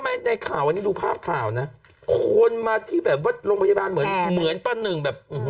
ได้ในข่าวดูภาพข่าวนะคนมาที่โรงพยาบาลเหมือนตั้งหนึ่ง